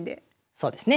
そうですね。